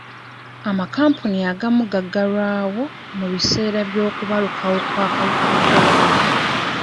Amakampuni agagamu gaggalawo mu biseera by'okubalukawo kw'akawuka ka kolona.